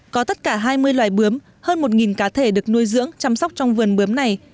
có tất cả hai mươi loài bướm hơn một cá thể được nuôi dưỡng chăm sóc trong vườn bướm này